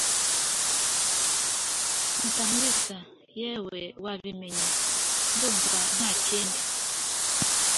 Mutamuriza: Yewe, “Wabimenye”! Ndumva nta kindi